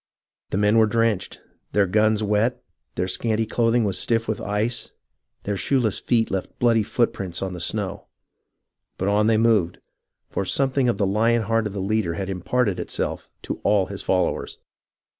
The men were drenched, their guns wet, their scanty clothing was stiff with ice, their shoeless feet left bloody footprints on the snow ; but on they moved, for something of the lion heart of the leader had imparted itself to all his followers.